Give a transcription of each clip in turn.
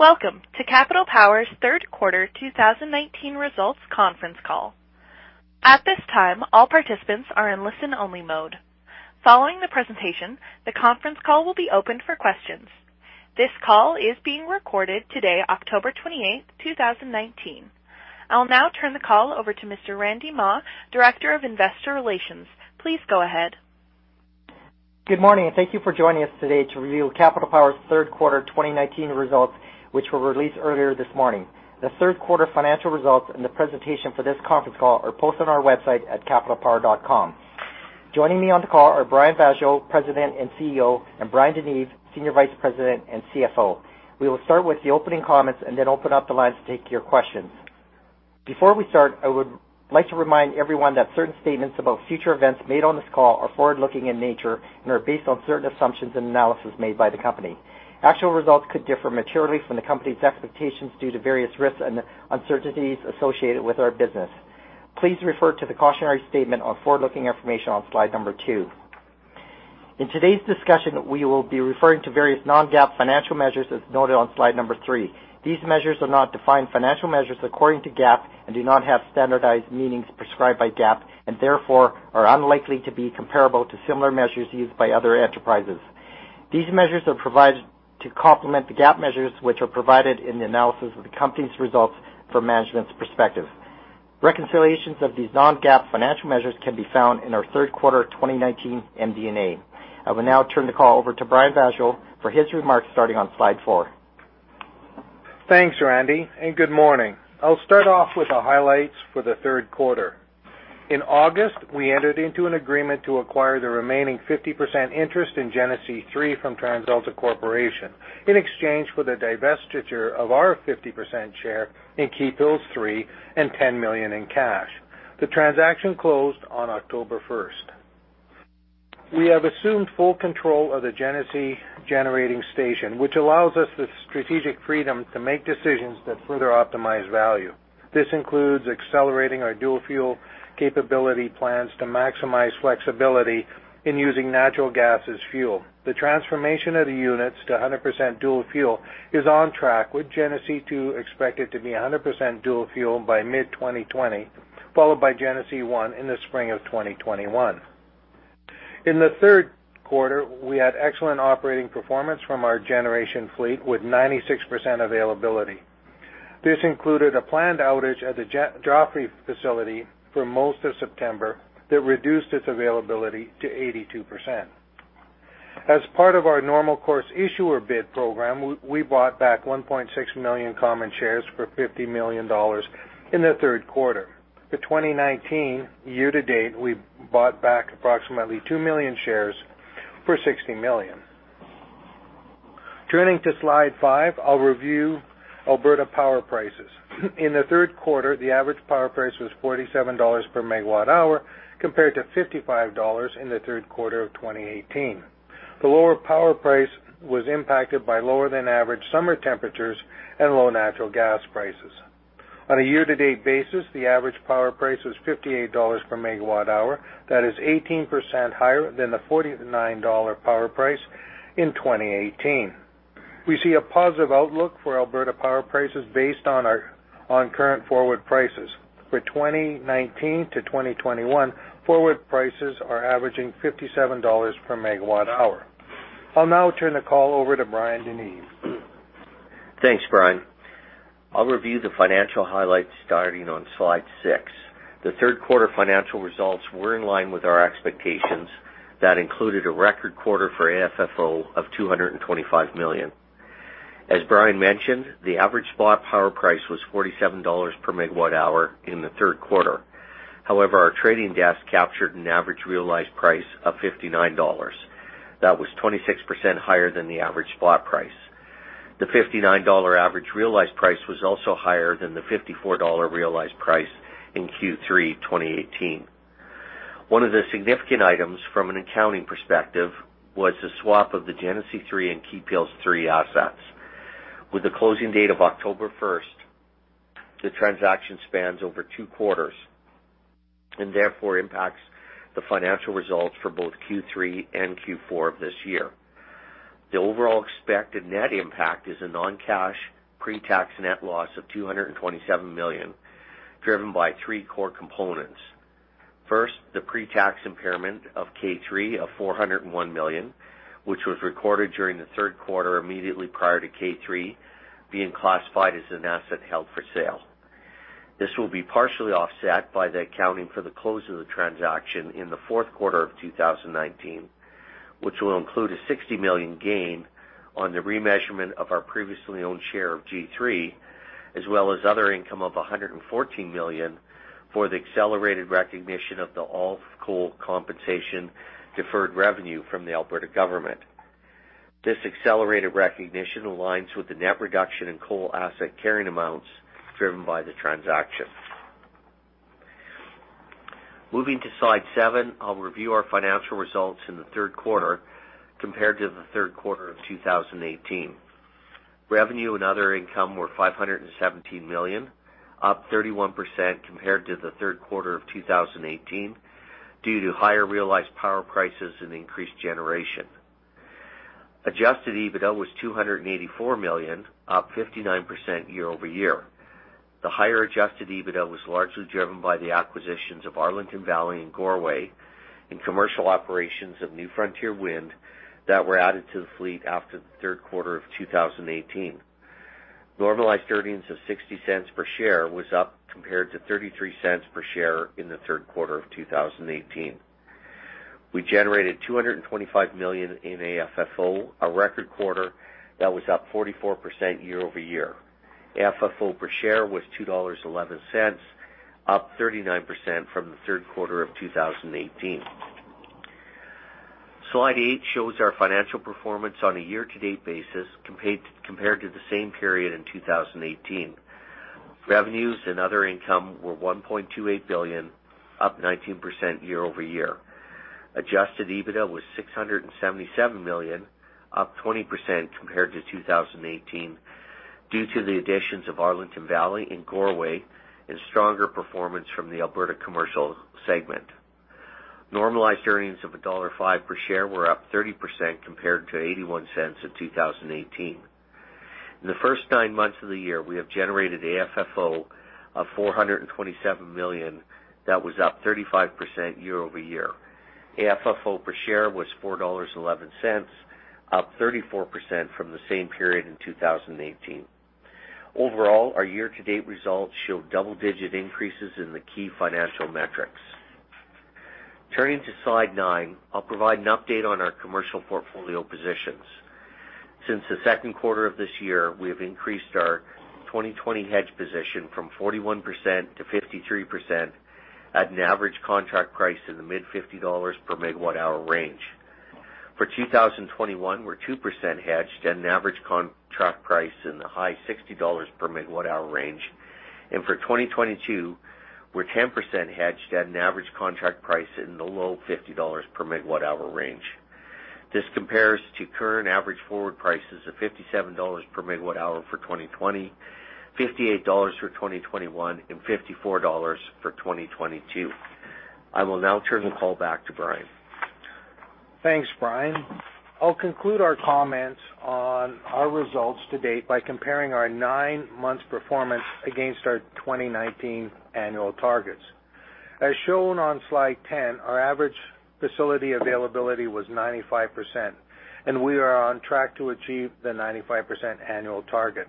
Welcome to Capital Power's third quarter 2019 results conference call. At this time, all participants are in listen-only mode. Following the presentation, the conference call will be opened for questions. This call is being recorded today, October 28th, 2019. I will now turn the call over to Mr. Randy Mah, Director of Investor Relations. Please go ahead. Good morning, and thank you for joining us today to review Capital Power's third quarter 2019 results, which were released earlier this morning. The third quarter financial results and the presentation for this conference call are posted on our website at capitalpower.com. Joining me on the call are Brian Vaasjo, President and CEO, and Bryan DeNeve, Senior Vice President and CFO. We will start with the opening comments and then open up the lines to take your questions. Before we start, I would like to remind everyone that certain statements about future events made on this call are forward-looking in nature and are based on certain assumptions and analysis made by the company. Actual results could differ materially from the company's expectations due to various risks and uncertainties associated with our business. Please refer to the cautionary statement on forward-looking information on slide number two. In today's discussion, we will be referring to various non-GAAP financial measures as noted on slide number three. These measures are not defined financial measures according to GAAP and do not have standardized meanings prescribed by GAAP and therefore are unlikely to be comparable to similar measures used by other enterprises. These measures are provided to complement the GAAP measures, which are provided in the analysis of the company's results from management's perspective. Reconciliations of these non-GAAP financial measures can be found in our third quarter 2019 MD&A. I will now turn the call over to Brian Vaasjo for his remarks, starting on slide four. Thanks, Randy. Good morning. I'll start off with the highlights for the third quarter. In August, we entered into an agreement to acquire the remaining 50% interest in Genesee 3 from TransAlta Corporation, in exchange for the divestiture of our 50% share in Keephills 3 and 10 million in cash. The transaction closed on October first. We have assumed full control of the Genesee generating station, which allows us the strategic freedom to make decisions that further optimize value. This includes accelerating our dual-fuel capability plans to maximize flexibility in using natural gas as fuel. The transformation of the units to 100% dual fuel is on track, with Genesee 2 expected to be 100% dual fuel by mid-2020, followed by Genesee 1 in the spring of 2021. In the third quarter, we had excellent operating performance from our generation fleet with 96% availability. This included a planned outage at the Joffre facility for most of September that reduced its availability to 82%. As part of our normal course issuer bid program, we bought back 1.6 million common shares for 50 million dollars in the third quarter. For 2019 year-to-date, we've bought back approximately 2 million shares for 60 million. Turning to slide five, I'll review Alberta power prices. In the third quarter, the average power price was 47 dollars per megawatt hour, compared to 55 dollars in the third quarter of 2018. The lower power price was impacted by lower-than-average summer temperatures and low natural gas prices. On a year-to-date basis, the average power price was 58 dollars per megawatt hour. That is 18% higher than the 49 dollar power price in 2018. We see a positive outlook for Alberta power prices based on current forward prices. For 2019 to 2021, forward prices are averaging 57 dollars per megawatt hour. I'll now turn the call over to Bryan DeNeve. Thanks, Brian. I'll review the financial highlights starting on slide six. The third quarter financial results were in line with our expectations. That included a record quarter for AFFO of 225 million. As Brian mentioned, the average spot power price was 47 dollars per megawatt hour in the third quarter. Our trading desk captured an average realized price of 59 dollars. That was 26% higher than the average spot price. The 59 dollar average realized price was also higher than the 54 dollar realized price in Q3 2018. One of the significant items from an accounting perspective was the swap of the Genesee 3 and Keephills 3 assets. With the closing date of October 1st, the transaction spans over two quarters and therefore impacts the financial results for both Q3 and Q4 of this year. The overall expected net impact is a non-cash pre-tax net loss of 227 million, driven by three core components. First, the pre-tax impairment of K3 of 401 million, which was recorded during the third quarter immediately prior to K3 being classified as an asset held for sale. This will be partially offset by the accounting for the close of the transaction in the fourth quarter of 2019, which will include a 60 million gain on the remeasurement of our previously owned share of G3, as well as other income of 114 million for the accelerated recognition of the all-coal compensation deferred revenue from the Alberta government. This accelerated recognition aligns with the net reduction in coal asset carrying amounts driven by the transaction. Moving to slide 7, I'll review our financial results in the third quarter compared to the third quarter of 2018. Revenue and other income were 517 million, up 31% compared to the third quarter of 2018. Due to higher realized power prices and increased generation. Adjusted EBITDA was 284 million, up 59% year-over-year. The higher adjusted EBITDA was largely driven by the acquisitions of Arlington Valley and Goreway, and commercial operations of New Frontier Wind that were added to the fleet after the third quarter of 2018. Normalized earnings of 0.60 per share was up compared to 0.33 per share in the third quarter of 2018. We generated 225 million in AFFO, a record quarter that was up 44% year-over-year. AFFO per share was 2.11 dollars, up 39% from the third quarter of 2018. Slide eight shows our financial performance on a year-to-date basis compared to the same period in 2018. Revenues and other income were CAD 1.28 billion, up 19% year-over-year. Adjusted EBITDA was CAD 677 million, up 20% compared to 2018, due to the additions of Arlington Valley and Goreway, and stronger performance from the Alberta commercial segment. Normalized earnings of dollar 1.05 per share were up 30% compared to 0.81 in 2018. In the first nine months of the year, we have generated AFFO of 427 million, that was up 35% year-over-year. AFFO per share was 4.11 dollars, up 34% from the same period in 2018. Overall, our year-to-date results show double-digit increases in the key financial metrics. Turning to slide nine, I'll provide an update on our commercial portfolio positions. Since the second quarter of this year, we have increased our 2020 hedge position from 41% to 53% at an average contract price in the mid-CAD 50 per megawatt-hour range. For 2021, we're 2% hedged at an average contract price in the high 60 dollars per megawatt-hour range. For 2022, we're 10% hedged at an average contract price in the low 50 dollars per megawatt-hour range. This compares to current average forward prices of 57 dollars per megawatt-hour for 2020, CAD 58 for 2021, and 54 dollars for 2022. I will now turn the call back to Bryan. Thanks, Bryan. I'll conclude our comments on our results to date by comparing our nine months performance against our 2019 annual targets. As shown on slide 10, our average facility availability was 95%, and we are on track to achieve the 95% annual target.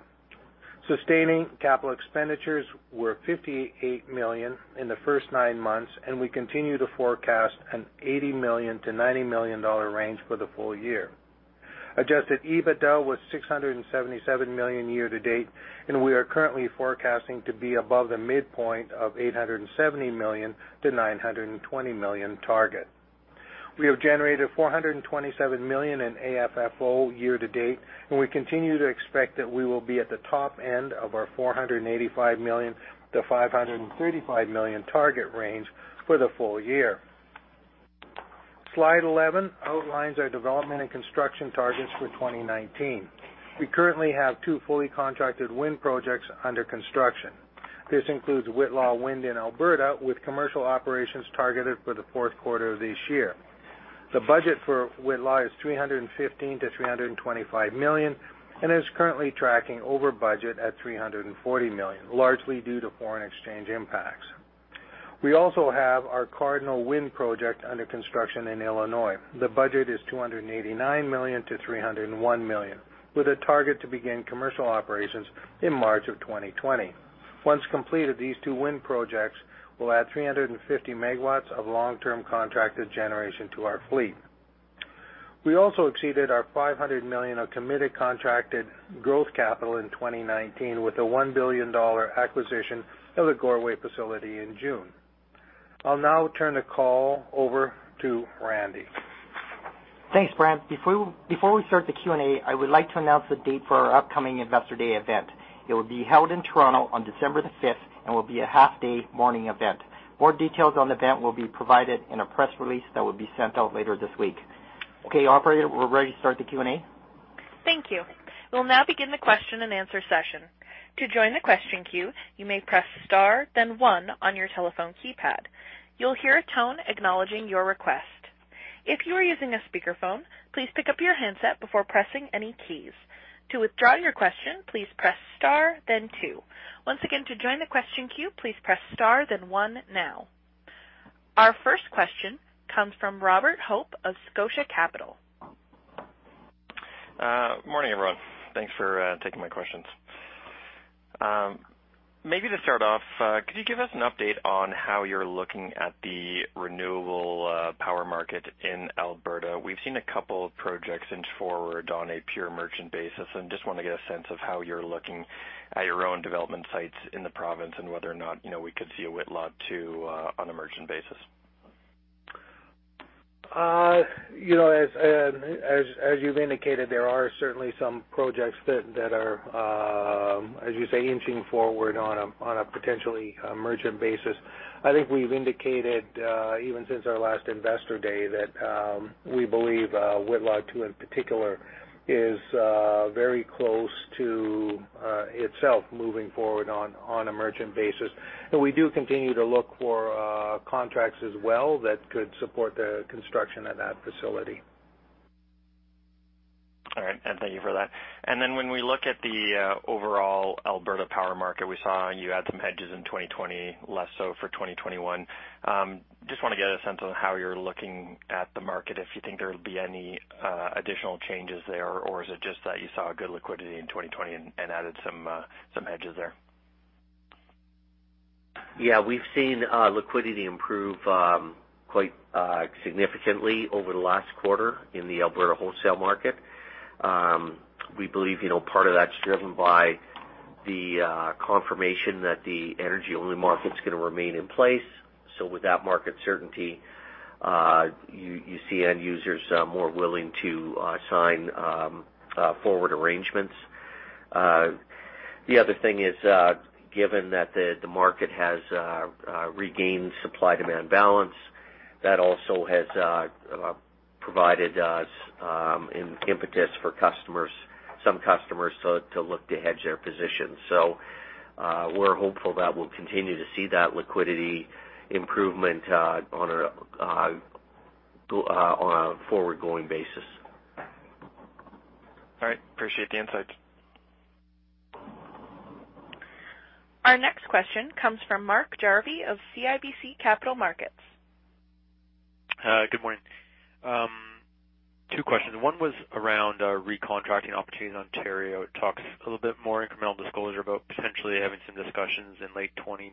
Sustaining capital expenditures were 58 million in the first nine months, and we continue to forecast a 80 million-90 million dollar range for the full year. Adjusted EBITDA was 677 million year-to-date, and we are currently forecasting to be above the midpoint of 870 million-920 million target. We have generated 427 million in AFFO year-to-date, and we continue to expect that we will be at the top end of our 485 million-535 million target range for the full year. Slide 11 outlines our development and construction targets for 2019. We currently have two fully contracted wind projects under construction. This includes Whitla wind in Alberta, with commercial operations targeted for the fourth quarter of this year. The budget for Whitla is 315 million-325 million and is currently tracking over budget at 340 million, largely due to foreign exchange impacts. We also have our Cardinal Wind project under construction in Illinois. The budget is 289 million-301 million, with a target to begin commercial operations in March of 2020. Once completed, these two wind projects will add 350 MW of long-term contracted generation to our fleet. We also exceeded our 500 million of committed contracted growth capital in 2019 with a 1 billion dollar acquisition of the Goreway facility in June. I'll now turn the call over to Randy. Thanks, Bryan. Before we start the Q&A, I would like to announce the date for our upcoming Investor Day event. It will be held in Toronto on December the 5th, and will be a half-day morning event. More details on the event will be provided in a press release that will be sent out later this week. Okay, operator, we're ready to start the Q&A. Thank you. We'll now begin the question and answer session. To join the question queue, you may press star then one on your telephone keypad. You'll hear a tone acknowledging your request. If you are using a speakerphone, please pick up your handset before pressing any keys. To withdraw your question, please press star then two. Once again, to join the question queue, please press star then one now. Our first question comes from Robert Hope of Scotiabank. Morning, everyone. Thanks for taking my questions. Maybe to start off, could you give us an update on how you're looking at the renewable power market in Alberta? We've seen a couple of projects inch forward on a pure merchant basis. Just want to get a sense of how you're looking at your own development sites in the province and whether or not we could see a Whitla 2 on a merchant basis. As you've indicated, there are certainly some projects that are, as you say, inching forward on a potentially merchant basis. I think we've indicated, even since our last Investor Day, that we believe Whitla 2 in particular is very close to itself moving forward on a merchant basis. We do continue to look for contracts as well that could support the construction at that facility. Thank you for that. When we look at the overall Alberta power market, we saw you had some hedges in 2020, less so for 2021. Just want to get a sense on how you're looking at the market, if you think there'll be any additional changes there, or is it just that you saw a good liquidity in 2020 and added some hedges there? Yeah. We've seen liquidity improve quite significantly over the last quarter in the Alberta wholesale market. We believe part of that's driven by the confirmation that the energy-only market's going to remain in place. With that market certainty, you see end users more willing to sign forward arrangements. The other thing is, given that the market has regained supply-demand balance, that also has provided us impetus for some customers to look to hedge their positions. We're hopeful that we'll continue to see that liquidity improvement on a forward-going basis. All right. Appreciate the insight. Our next question comes from Mark Jarvi of CIBC Capital Markets. Good morning. Two questions. One was around recontracting opportunities in Ontario. Talk a little bit more incremental disclosure about potentially having some discussions in late 2019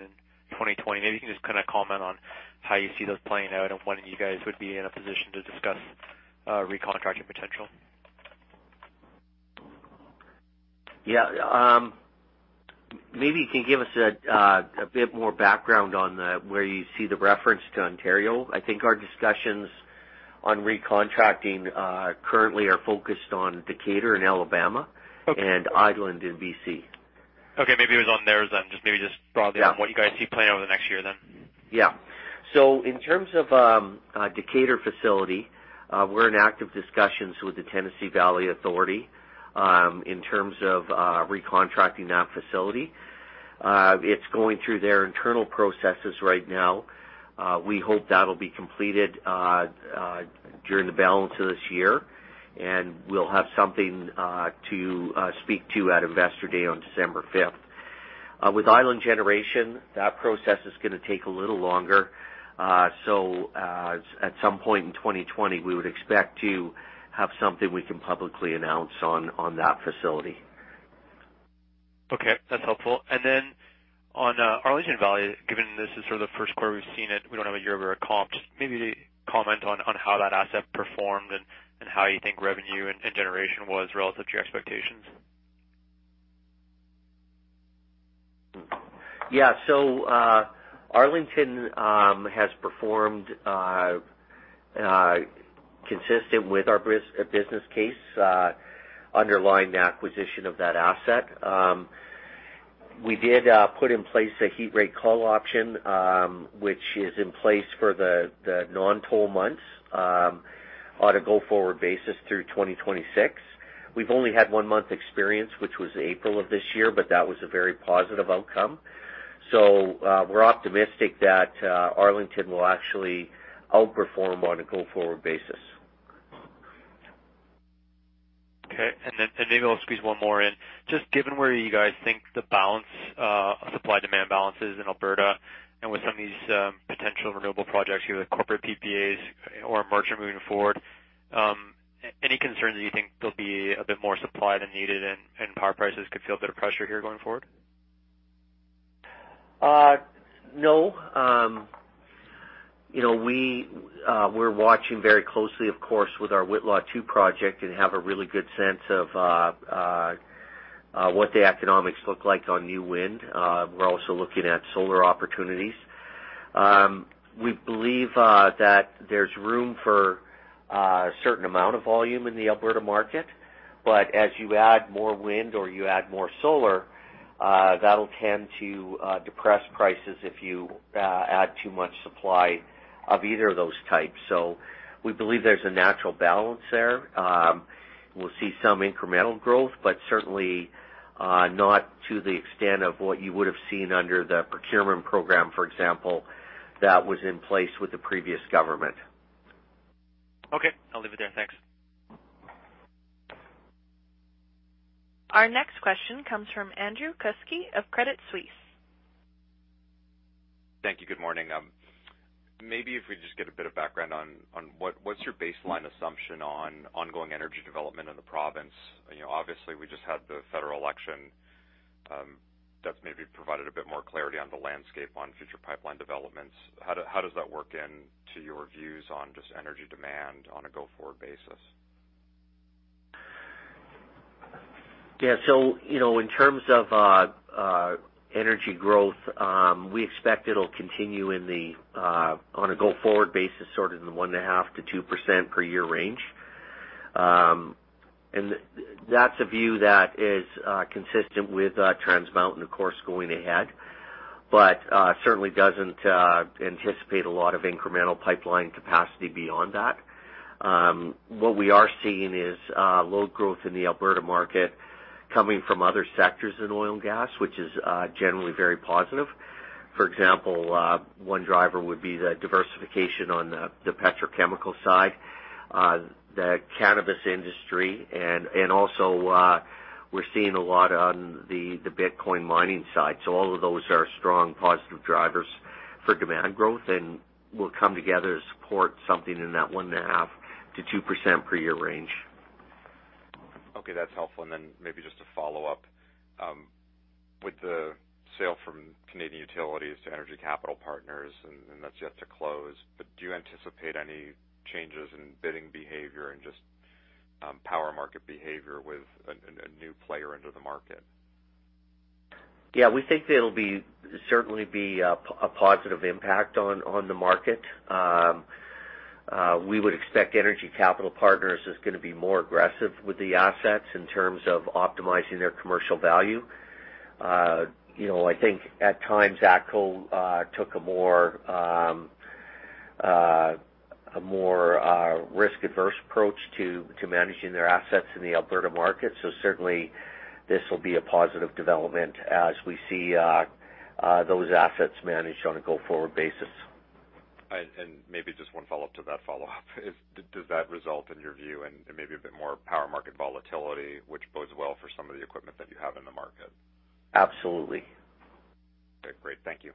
and 2020. Maybe you can just comment on how you see those playing out and when you guys would be in a position to discuss recontracting potential. Yeah. Maybe you can give us a bit more background on where you see the reference to Ontario? I think our discussions on recontracting currently are focused on Decatur in Alabama. Okay and Island in B.C. Okay, maybe it was on there then. Yeah on what you guys see playing out over the next year then. Yeah. In terms of Decatur facility, we're in active discussions with the Tennessee Valley Authority in terms of recontracting that facility. It's going through their internal processes right now. We hope that'll be completed during the balance of this year, and we'll have something to speak to at Investor Day on December 5th. With Island Generation, that process is going to take a little longer. At some point in 2020, we would expect to have something we can publicly announce on that facility. Okay. That's helpful. On Arlington Valley, given this is sort of the first quarter we've seen it, we don't have a year-over-year comp. Just maybe comment on how that asset performed and how you think revenue and generation was relative to your expectations. Yeah. Arlington has performed consistent with our business case underlying the acquisition of that asset. We did put in place a heat rate call option, which is in place for the non-toll months on a go-forward basis through 2026. We've only had one month experience, which was April of this year, but that was a very positive outcome. We're optimistic that Arlington will actually outperform on a go-forward basis. Okay. Then maybe I'll squeeze one more in. Just given where you guys think the supply-demand balance is in Alberta and with some of these potential renewable projects, either corporate PPAs or merchant moving forward, any concern that you think there'll be a bit more supply than needed and power prices could feel a bit of pressure here going forward? No. We're watching very closely, of course, with our Whitla 2 project and have a really good sense of what the economics look like on new wind. We're also looking at solar opportunities. We believe that there's room for a certain amount of volume in the Alberta market. As you add more wind or you add more solar, that'll tend to depress prices if you add too much supply of either of those types. We believe there's a natural balance there. We'll see some incremental growth, but certainly not to the extent of what you would have seen under the procurement program, for example, that was in place with the previous government. Okay. I'll leave it there. Thanks. Our next question comes from Andrew Kuske of Credit Suisse. Thank you. Good morning. Maybe if we just get a bit of background on what's your baseline assumption on ongoing energy development in the province? Obviously, we just had the federal election that maybe provided a bit more clarity on the landscape on future pipeline developments. How does that work in to your views on just energy demand on a go-forward basis? In terms of energy growth, we expect it'll continue on a go-forward basis, sort of in the 1.5%-2% per year range. That's a view that is consistent with Trans Mountain, of course, going ahead, certainly doesn't anticipate a lot of incremental pipeline capacity beyond that. What we are seeing is load growth in the Alberta market coming from other sectors in oil and gas, which is generally very positive. For example, one driver would be the diversification on the petrochemical side, the cannabis industry, and also we're seeing a lot on the Bitcoin mining side. All of those are strong positive drivers for demand growth and will come together to support something in that 1.5%-2% per year range. Okay, that's helpful. Maybe just a follow-up. With the sale from Canadian Utilities to Energy Capital Partners, and that's yet to close, but do you anticipate any changes in bidding behavior and just power market behavior with a new player into the market? Yeah, we think it'll certainly be a positive impact on the market. We would expect Energy Capital Partners is going to be more aggressive with the assets in terms of optimizing their commercial value. I think at times, ATCO took a more risk-averse approach to managing their assets in the Alberta market. Certainly, this will be a positive development as we see those assets managed on a go-forward basis. Maybe just one follow-up to that follow-up is, does that result in your view and maybe a bit more power market volatility, which bodes well for some of the equipment that you have in the market? Absolutely. Okay, great. Thank you.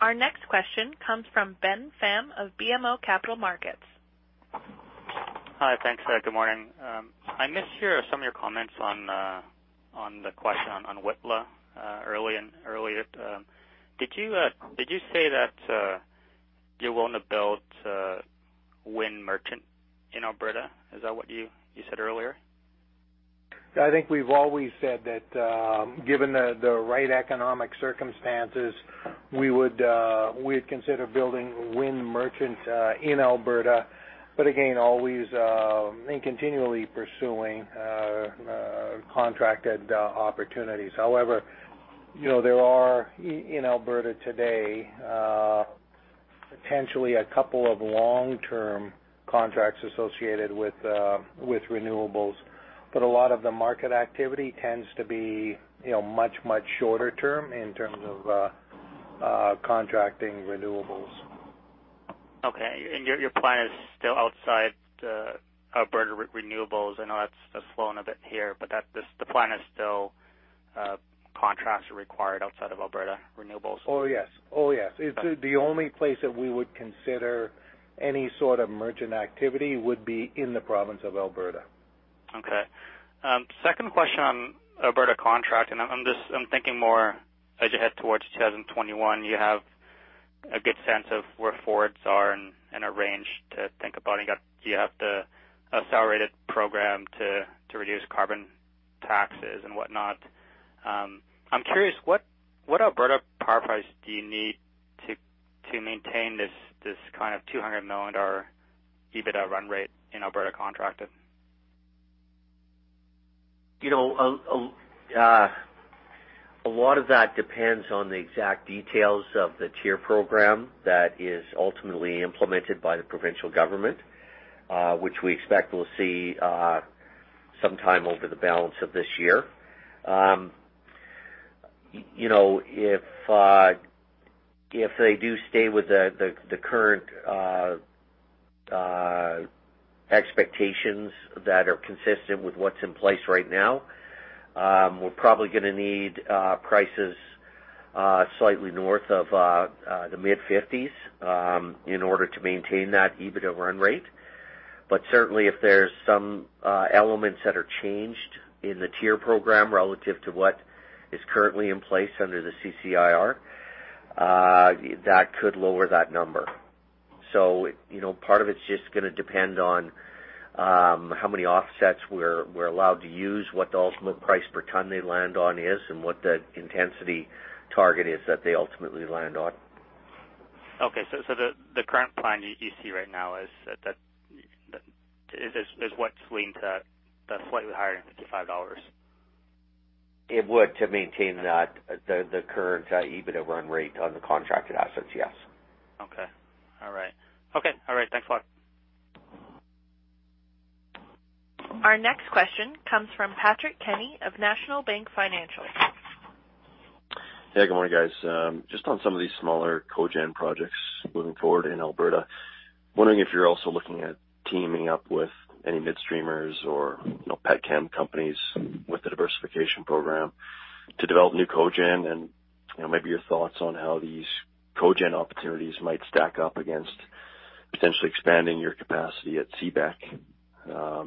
Our next question comes from Ben Pham of BMO Capital Markets. Hi. Thanks. Good morning. I missed some of your comments on the question on Whitla earlier. Did you say that you're willing to build wind merchant in Alberta? Is that what you said earlier? I think we've always said that, given the right economic circumstances, we'd consider building wind merchant in Alberta. Again, always and continually pursuing contracted opportunities. However, there are, in Alberta today, potentially a couple of long-term contracts associated with renewables, but a lot of the market activity tends to be much, much shorter term in terms of contracting renewables. Okay. Your plan is still outside Alberta renewables. I know that's slowing a bit here, but the plan is still contracts are required outside of Alberta renewables. Yes. The only place that we would consider any sort of merchant activity would be in the province of Alberta. Okay. Second question on Alberta contract, and I'm thinking more as you head towards 2021, you have a good sense of where forwards are and a range to think about, and you have the accelerated program to reduce carbon taxes and whatnot. I'm curious, what Alberta power price do you need to maintain this kind of 200 million dollar EBITDA run rate in Alberta contracted? A lot of that depends on the exact details of the TIER program that is ultimately implemented by the provincial government, which we expect we'll see sometime over the balance of this year. If they do stay with the current expectations that are consistent with what's in place right now, we're probably going to need prices slightly north of the CAD mid-50s in order to maintain that EBITDA run rate. Certainly, if there's some elements that are changed in the TIER program relative to what is currently in place under the CCIR, that could lower that number. Part of it's just going to depend on how many offsets we're allowed to use, what the ultimate price per ton they land on is, and what the intensity target is that they ultimately land on. Okay. The current plan you see right now is what's leading to the slightly higher than 55 dollars. It would to maintain the current EBITDA run rate on the contracted assets, yes. Okay. All right. Thanks a lot. Our next question comes from Patrick Kenny of National Bank Financial. Hey, good morning, guys. Just on some of these smaller cogen projects moving forward in Alberta, wondering if you're also looking at teaming up with any mid-streamers or petchem companies with the diversification program to develop new cogen, and maybe your thoughts on how these cogen opportunities might stack up against potentially expanding your capacity at Clover Bar?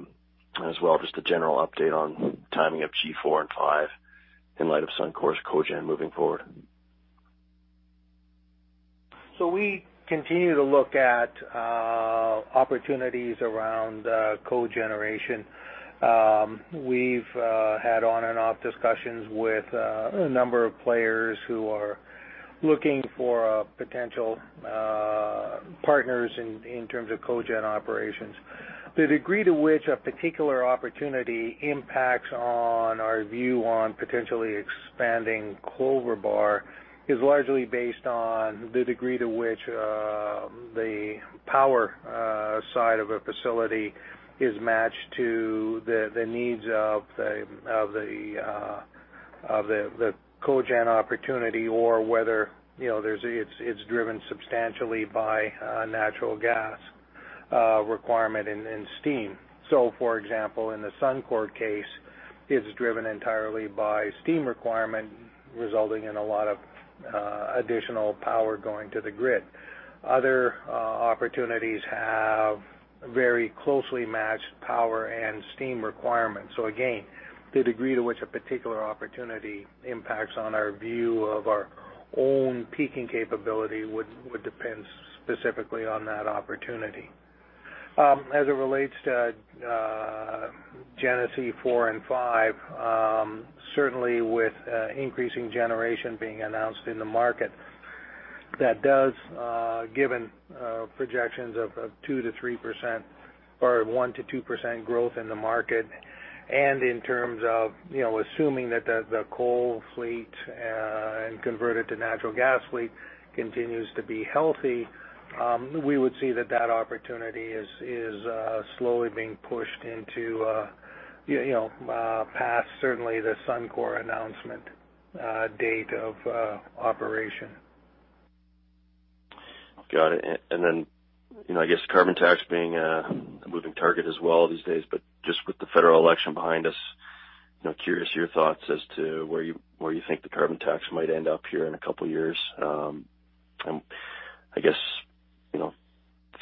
As well, just a general update on timing of G4 and G5 in light of Suncor's cogen moving forward? We continue to look at opportunities around cogeneration. We've had on-and-off discussions with a number of players who are looking for potential partners in terms of cogen operations. The degree to which a particular opportunity impacts on our view on potentially expanding Clover Bar is largely based on the degree to which the power side of a facility is matched to the needs of the cogen opportunity or whether it's driven substantially by natural gas requirement and steam. For example, in the Suncor case, it's driven entirely by steam requirement, resulting in a lot of additional power going to the grid. Other opportunities have very closely matched power and steam requirements. Again, the degree to which a particular opportunity impacts on our view of our own peaking capability would depend specifically on that opportunity. As it relates to Genesee 4 and 5, certainly with increasing generation being announced in the market, that does given projections of 2%-3% or 1%-2% growth in the market, and in terms of assuming that the coal fleet and converted to natural gas fleet continues to be healthy, we would see that opportunity is slowly being pushed into, past certainly the Suncor announcement date of operation. Got it. Then, I guess carbon tax being a moving target as well these days, but just with the Federal election behind us, curious your thoughts as to where you think the carbon tax might end up here in a couple of years. I guess,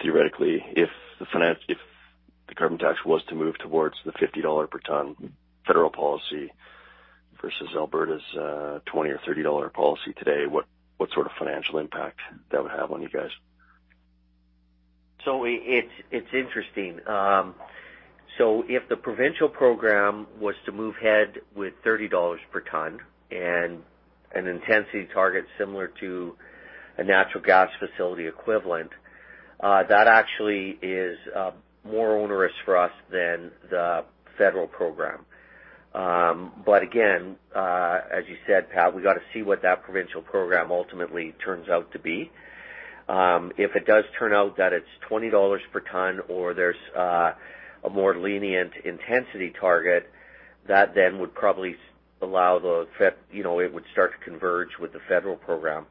theoretically, if the carbon tax was to move towards the 50 dollar per ton Federal policy versus Alberta's 20 or 30 dollar policy today, what sort of financial impact that would have on you guys? It's interesting. If the provincial program was to move ahead with 30 dollars per ton and an intensity target similar to a natural gas facility equivalent, that actually is more onerous for us than the federal program. Again, as you said, Pat, we got to see what that provincial program ultimately turns out to be. If it does turn out that it's 20 dollars per ton or there's a more lenient intensity target, that would probably allow it to start to converge with the federal program.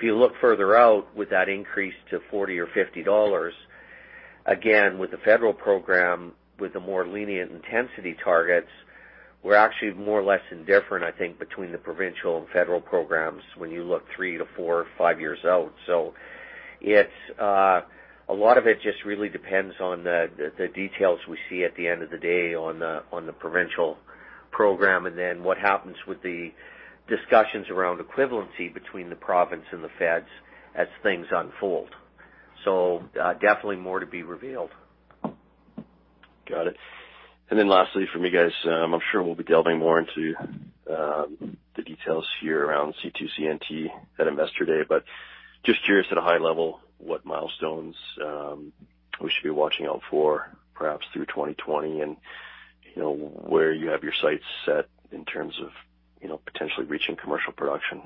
If you look further out with that increase to 40 or 50 dollars, again, with the federal program, with the more lenient intensity targets, we're actually more or less indifferent, I think, between the provincial and federal programs when you look 3 to 4 or 5 years out. A lot of it just really depends on the details we see at the end of the day on the provincial program, and then what happens with the discussions around equivalency between the province and the feds as things unfold. Definitely more to be revealed. Got it. Lastly from you guys, I'm sure we'll be delving more into the details here around C2CNT at Investor Day, but just curious at a high level what milestones we should be watching out for perhaps through 2020 and where you have your sights set in terms of potentially reaching commercial production.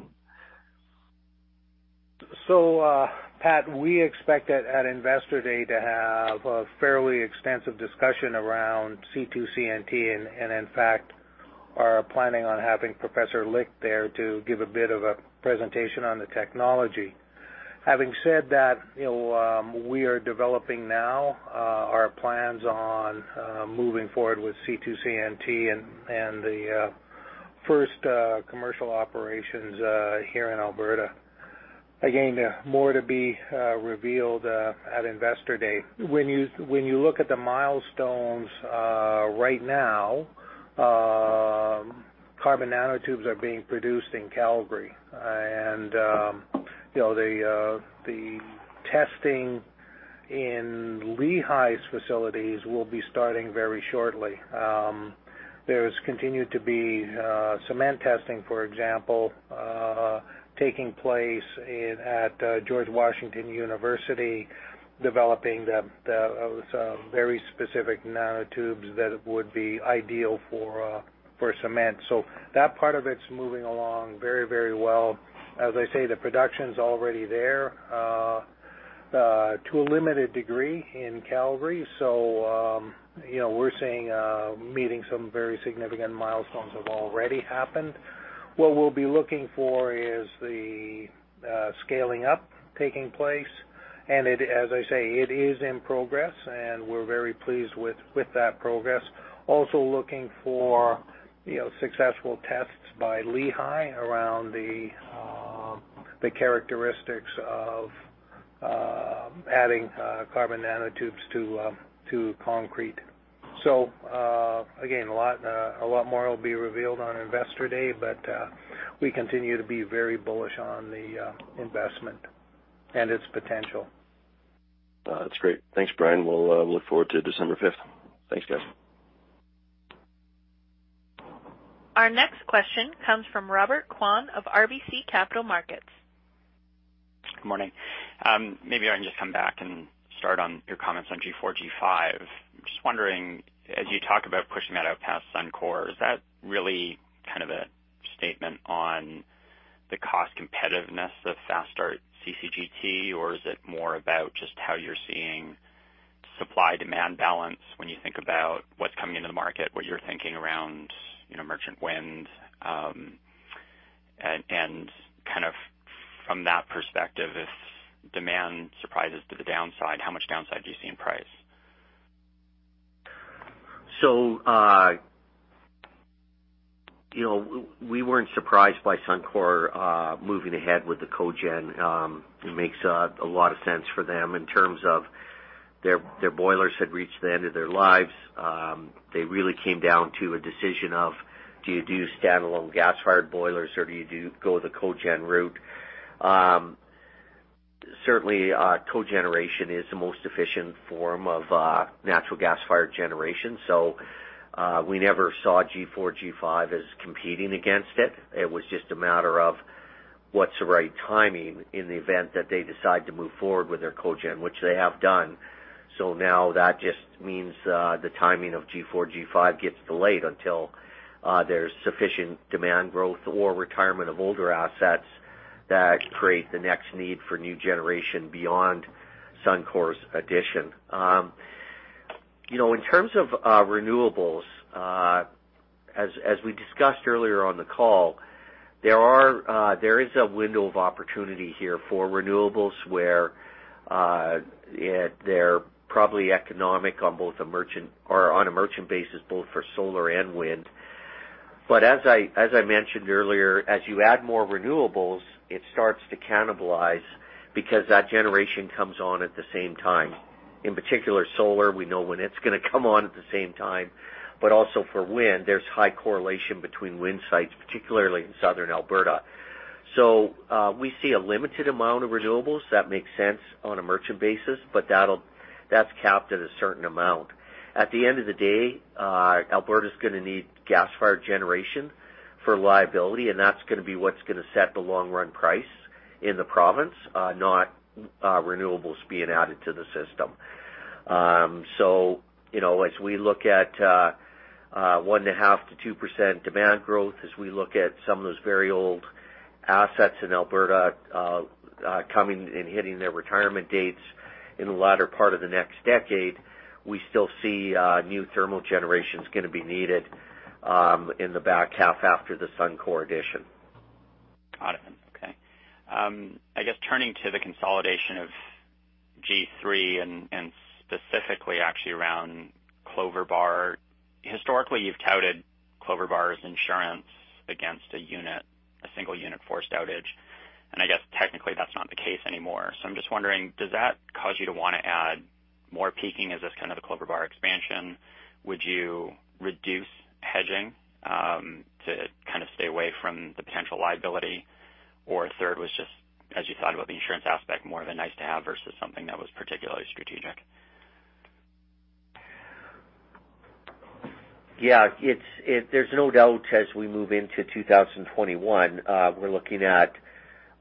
Pat, we expect at Investor Day to have a fairly extensive discussion around C2CNT and in fact, are planning on having Professor Licht there to give a bit of a presentation on the technology. Having said that, we are developing now our plans on moving forward with C2CNT and the first commercial operations here in Alberta. Again, more to be revealed at Investor Day. When you look at the milestones right now, carbon nanotubes are being produced in Calgary. The testing in Lehigh's facilities will be starting very shortly. There's continued to be cement testing, for example, taking place at George Washington University, developing the very specific nanotubes that would be ideal for cement. That part of it's moving along very, very well. As I say, the production's already there to a limited degree in Calgary. We're seeing meeting some very significant milestones have already happened. What we'll be looking for is the scaling up taking place. As I say, it is in progress, and we're very pleased with that progress. Also looking for successful tests by Lehigh around the characteristics of adding carbon nanotubes to concrete. Again, a lot more will be revealed on Investor Day, but we continue to be very bullish on the investment and its potential. That's great. Thanks, Brian. We'll look forward to December 5th. Thanks, guys. Our next question comes from Robert Kwan of RBC Capital Markets. Good morning. Maybe I can just come back. Start on your comments on G4, G5. Just wondering, as you talk about pushing that out past Suncor, is that really kind of a statement on the cost competitiveness of fast start CCGT, or is it more about just how you're seeing supply-demand balance when you think about what's coming into the market, what you're thinking around merchant wind? From that perspective, if demand surprises to the downside, how much downside do you see in price? We weren't surprised by Suncor moving ahead with the cogen. It makes a lot of sense for them in terms of their boilers had reached the end of their lives. They really came down to a decision of do you do standalone gas-fired boilers or do you go the cogen route? Certainly, cogeneration is the most efficient form of natural gas-fired generation. We never saw G4, G5 as competing against it. It was just a matter of what's the right timing in the event that they decide to move forward with their cogen, which they have done. Now that just means the timing of G4, G5 gets delayed until there's sufficient demand growth or retirement of older assets that create the next need for new generation beyond Suncor's addition. In terms of renewables, as we discussed earlier on the call, there is a window of opportunity here for renewables where they're probably economic on a merchant basis both for solar and wind. As I mentioned earlier, as you add more renewables, it starts to cannibalize because that generation comes on at the same time. In particular solar, we know when it's going to come on at the same time. Also for wind, there's high correlation between wind sites, particularly in Southern Alberta. We see a limited amount of renewables that make sense on a merchant basis, but that's capped at a certain amount. At the end of the day, Alberta's going to need gas-fired generation for liability, and that's going to be what's going to set the long-run price in the province, not renewables being added to the system. As we look at 1.5% to 2% demand growth, as we look at some of those very old assets in Alberta coming and hitting their retirement dates in the latter part of the next decade, we still see new thermal generation's going to be needed in the back half after the Suncor addition. Got it. Okay. I guess turning to the consolidation of G3 and specifically actually around Clover Bar. Historically, you've touted Clover Bar as insurance against a single-unit forced outage. I guess technically that's not the case anymore. I'm just wondering, does that cause you to want to add more peaking as this kind of the Clover Bar expansion? Would you reduce hedging to kind of stay away from the potential liability? Third was just, as you thought about the insurance aspect, more of a nice-to-have versus something that was particularly strategic. Yeah. There's no doubt as we move into 2021, we're looking at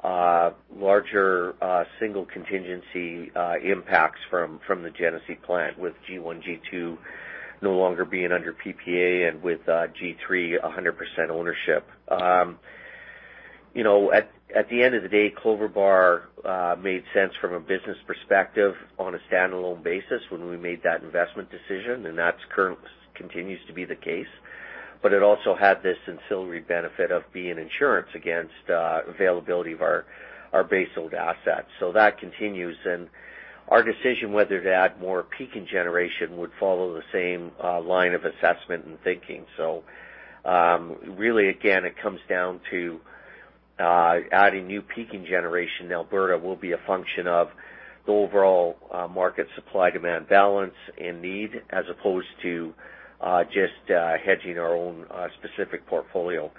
larger single contingency impacts from the Genesee plant with G1, G2 no longer being under PPA and with G3, 100% ownership. At the end of the day, Clover Bar made sense from a business perspective on a standalone basis when we made that investment decision, and that continues to be the case. It also had this ancillary benefit of being insurance against availability of our base load assets. That continues, and our decision whether to add more peaking generation would follow the same line of assessment and thinking. Really, again, it comes down to adding new peaking generation in Alberta will be a function of the overall market supply-demand balance and need as opposed to just hedging our own specific portfolio.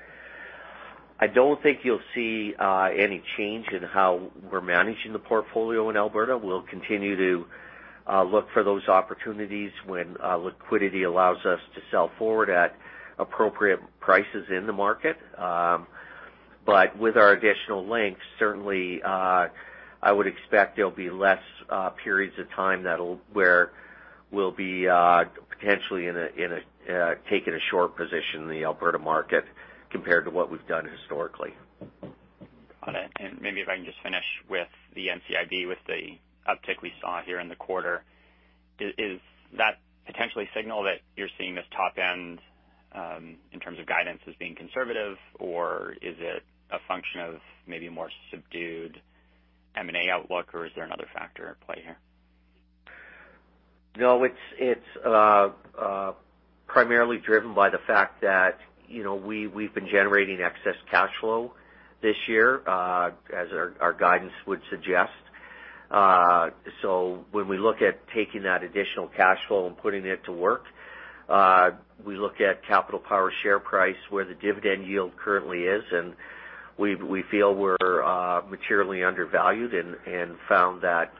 I don't think you'll see any change in how we're managing the portfolio in Alberta. We'll continue to look for those opportunities when liquidity allows us to sell forward at appropriate prices in the market. With our additional links, certainly, I would expect there'll be less periods of time where we'll be potentially taking a short position in the Alberta market compared to what we've done historically. Got it. Maybe if I can just finish with the NCIB, with the uptick we saw here in the quarter. Does that potentially signal that you're seeing this top end in terms of guidance as being conservative, or is it a function of maybe more subdued M&A outlook, or is there another factor at play here? It's primarily driven by the fact that we've been generating excess cash flow this year, as our guidance would suggest. When we look at taking that additional cash flow and putting it to work, we look at Capital Power share price where the dividend yield currently is, and we feel we're materially undervalued and found that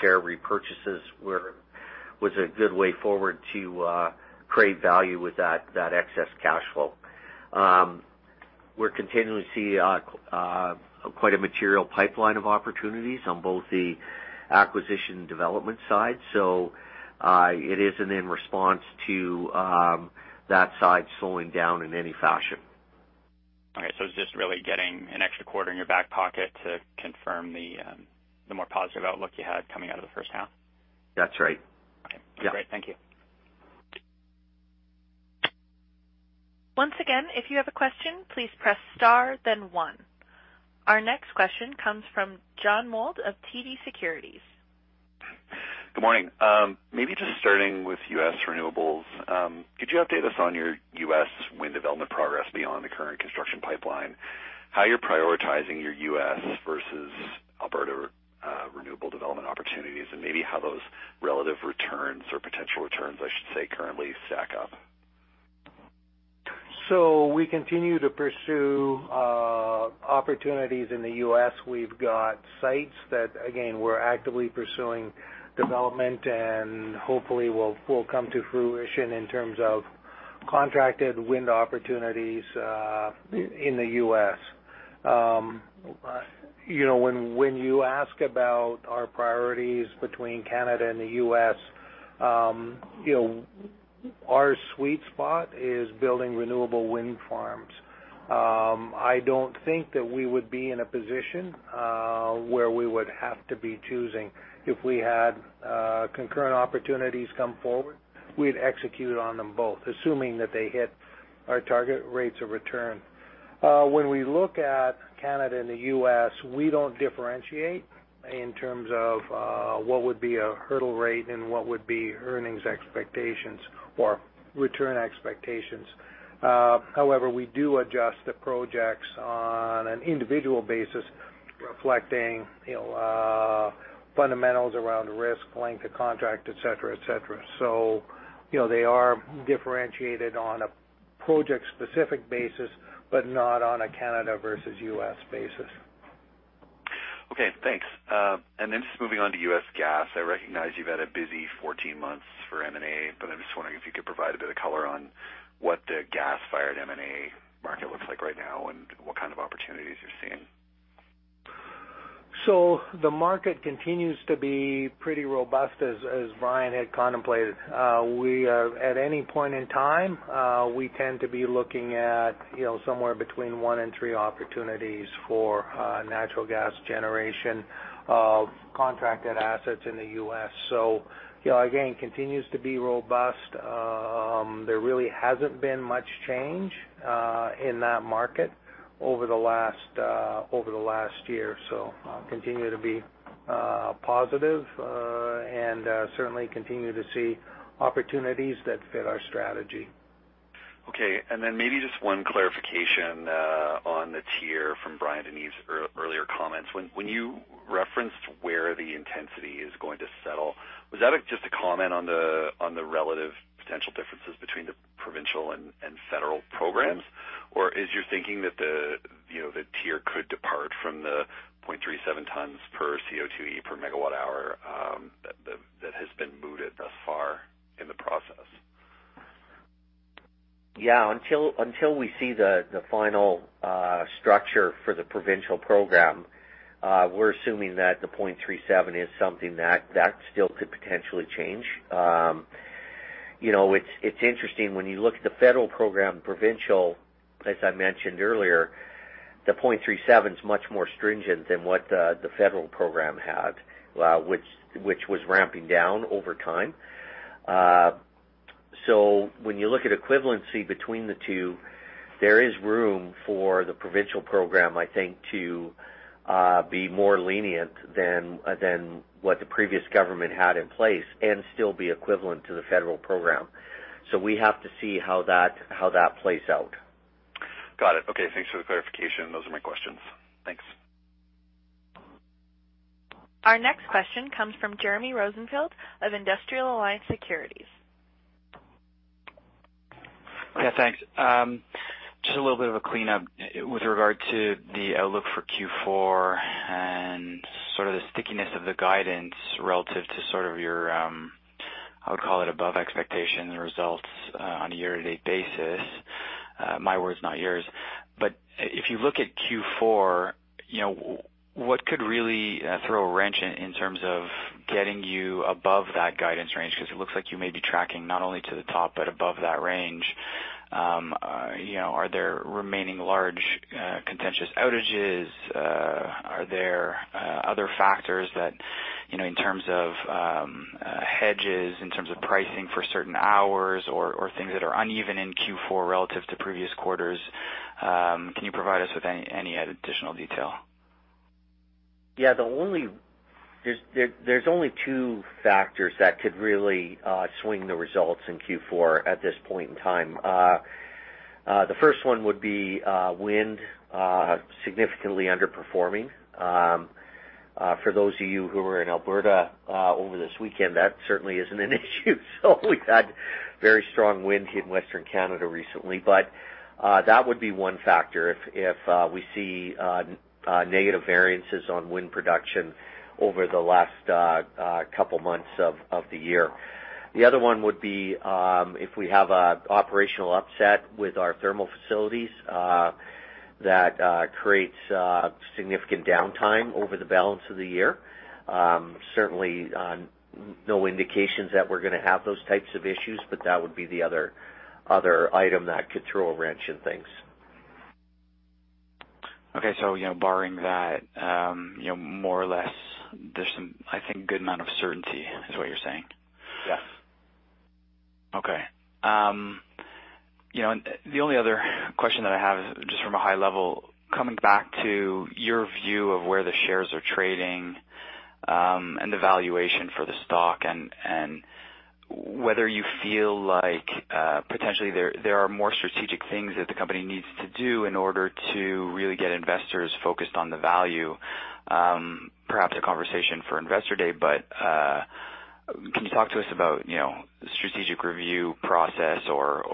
share repurchases was a good way forward to create value with that excess cash flow. We're continuing to see quite a material pipeline of opportunities on both the acquisition development side. It isn't in response to that side slowing down in any fashion. It's just really getting an extra quarter in your back pocket to confirm the more positive outlook you had coming out of the first half? That's right. Okay. Yeah. Great. Thank you. Once again, if you have a question, please press star then one. Our next question comes from John Mould of TD Securities. Good morning. Maybe just starting with U.S. renewables. Could you update us on your U.S. wind development progress beyond the current construction pipeline, how you're prioritizing your U.S. versus Alberta renewable development opportunities, and maybe how those relative returns or potential returns, I should say, currently stack up? We continue to pursue opportunities in the U.S. We've got sites that, again, we're actively pursuing development and hopefully will come to fruition in terms of contracted wind opportunities, in the U.S. When you ask about our priorities between Canada and the U.S., our sweet spot is building renewable wind farms. I don't think that we would be in a position where we would have to be choosing. If we had concurrent opportunities come forward, we'd execute on them both, assuming that they hit our target rates of return. When we look at Canada and the U.S., we don't differentiate in terms of what would be a hurdle rate and what would be earnings expectations or return expectations. However, we do adjust the projects on an individual basis reflecting fundamentals around risk, length of contract, et cetera. They are differentiated on a project-specific basis, but not on a Canada versus US basis. Okay, thanks. Just moving on to U.S. gas. I recognize you've had a busy 14 months for M&A, but I'm just wondering if you could provide a bit of color on what the gas-fired M&A market looks like right now and what kind of opportunities you're seeing. The market continues to be pretty robust, as Brian had contemplated. At any point in time, we tend to be looking at somewhere between one and three opportunities for natural gas generation of contracted assets in the U.S. Again, continues to be robust. There really hasn't been much change in that market over the last year. Continue to be positive, and certainly continue to see opportunities that fit our strategy. Okay, maybe just one clarification on the TIER from Bryan DeNeve earlier comments. When you referenced where the intensity is going to settle, was that just a comment on the relative potential differences between the provincial and federal programs? Or is your thinking that the TIER could depart from the 0.37 tons per CO2e per megawatt hour that has been mooted thus far in the process? Until we see the final structure for the provincial program, we're assuming that the .37 is something that still could potentially change. It's interesting, when you look at the federal program, provincial, as I mentioned earlier, the .37's much more stringent than what the federal program had, which was ramping down over time. When you look at equivalency between the two, there is room for the provincial program, I think, to be more lenient than what the previous government had in place and still be equivalent to the federal program. We have to see how that plays out. Got it. Okay. Thanks for the clarification. Those are my questions. Thanks. Our next question comes from Jeremy Rosenfield of Industrial Alliance Securities. Thanks. Just a little bit of a cleanup with regard to the outlook for Q4 and sort of the stickiness of the guidance relative to sort of your, I would call it above expectation results on a year-to-date basis. My words, not yours. If you look at Q4, what could really throw a wrench in in terms of getting you above that guidance range? It looks like you may be tracking not only to the top but above that range. Are there remaining large contentious outages? Are there other factors that in terms of hedges, in terms of pricing for certain hours or things that are uneven in Q4 relative to previous quarters? Can you provide us with any additional detail? There's only two factors that could really swing the results in Q4 at this point in time. The first one would be wind significantly underperforming. For those of you who were in Alberta over this weekend, that certainly isn't an issue. We've had very strong wind in Western Canada recently, but that would be one factor if we see negative variances on wind production over the last couple months of the year. The other one would be if we have an operational upset with our thermal facilities that creates significant downtime over the balance of the year. Certainly, no indications that we're going to have those types of issues, but that would be the other item that could throw a wrench in things. Okay. Barring that, more or less, there's, I think, good amount of certainty is what you're saying? Yes. Okay. The only other question that I have is just from a high level, coming back to your view of where the shares are trading, and the valuation for the stock, and whether you feel like potentially there are more strategic things that the company needs to do in order to really get investors focused on the value. Perhaps a conversation for Investor Day, but can you talk to us about strategic review process or,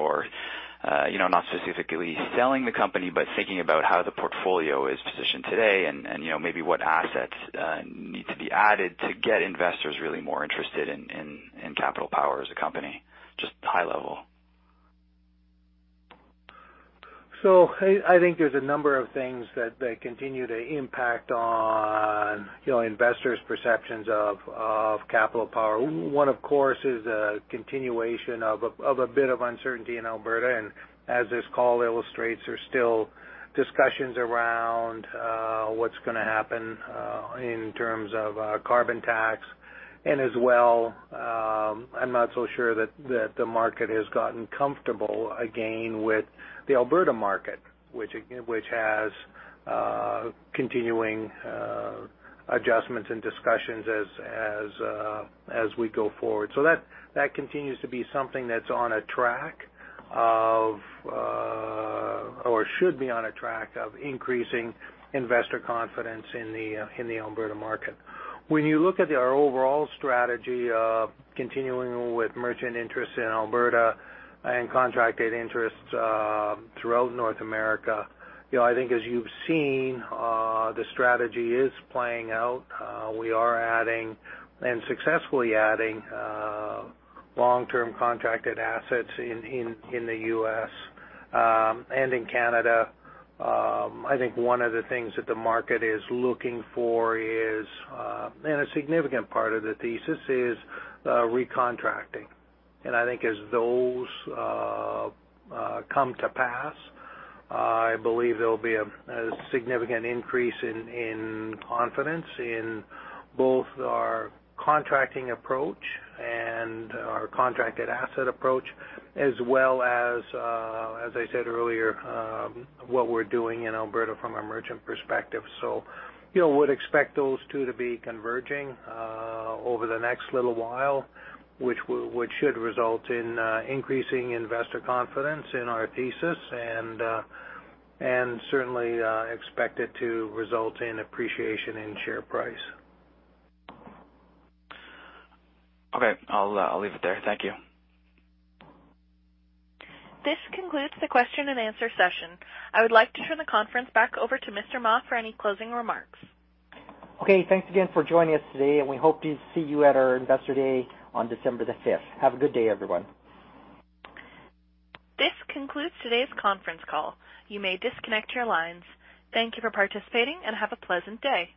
not specifically selling the company, but thinking about how the portfolio is positioned today and maybe what assets need to be added to get investors really more interested in Capital Power as a company? Just high level. I think there's a number of things that continue to impact on investors' perceptions of Capital Power. One, of course, is a continuation of a bit of uncertainty in Alberta, and as this call illustrates, there's still discussions around what's going to happen in terms of carbon tax. As well, I'm not so sure that the market has gotten comfortable again with the Alberta market, which has continuing adjustments and discussions as we go forward. That continues to be something that's on a track of, or should be on a track of increasing investor confidence in the Alberta market. When you look at our overall strategy of continuing with merchant interests in Alberta and contracted interests throughout North America, I think as you've seen, the strategy is playing out. We are adding, and successfully adding, long-term contracted assets in the U.S. and in Canada. I think one of the things that the market is looking for is, and a significant part of the thesis is, recontracting. I think as those come to pass, I believe there will be a significant increase in confidence in both our contracting approach and our contracted asset approach, as well as I said earlier, what we are doing in Alberta from a merchant perspective. Would expect those two to be converging over the next little while, which should result in increasing investor confidence in our thesis and certainly expect it to result in appreciation in share price. Okay. I'll leave it there. Thank you. This concludes the question and answer session. I would like to turn the conference back over to Mr. Mah for any closing remarks. Okay. Thanks again for joining us today. We hope to see you at our Investor Day on December the 5th. Have a good day, everyone. This concludes today's conference call. You may disconnect your lines. Thank you for participating and have a pleasant day.